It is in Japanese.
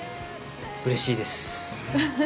うれしいです。